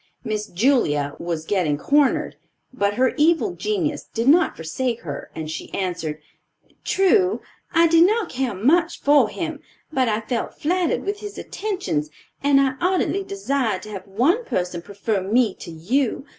Miss Julia was getting cornered; but her evil genius did not forsake her, and she answered, "True, I did not care much for him; but I felt flattered with his attentions and I ardently desired to have one person prefer me to you.